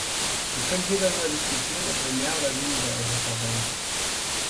Wir können hier darüber diskutieren, ob wir mehr oder weniger Europa wollen.